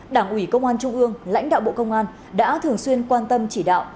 đảng ủy công an trung ương lãnh đạo bộ công an đã thường xuyên quan tâm chỉ đạo